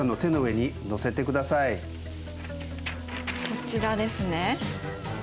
こちらですね。